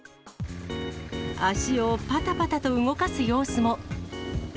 足をぱたぱたと動かす様子も。